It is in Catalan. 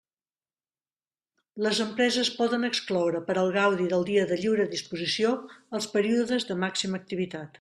Les empreses poden excloure per al gaudi del dia de lliure disposició els períodes de màxima activitat.